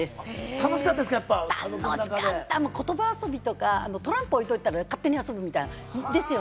楽しかった、言葉遊びとか、トランプやっとったら勝手に遊ぶみたいな感じです。